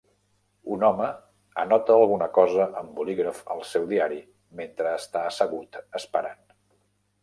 Un home anota alguna cosa amb bolígraf al seu diari mentre està assegut esperant.